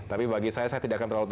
tapi bagi saya saya tidak akan terlalu